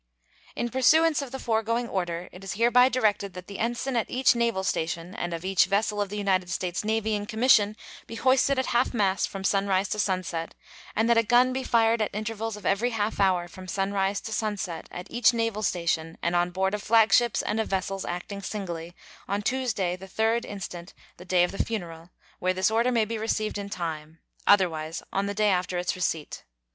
] In pursuance of the foregoing order, it is hereby directed that the ensign at each naval station and of each vessel of the United States Navy in commission be hoisted at half mast from sunrise to sunset, and that a gun be fired at intervals of every half hour from sunrise to sunset at each naval station and on board of flagships and of vessels acting singly, on Tuesday, the 3d instant, the day of the funeral, where this order may be received in time, otherwise on the day after its receipt.